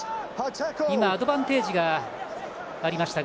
アドバンテージがありました。